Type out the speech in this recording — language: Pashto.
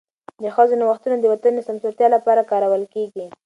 د ښځو نوښتونه د وطن د سمسورتیا لپاره کارول کېږي.